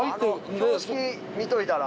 標識見といたら。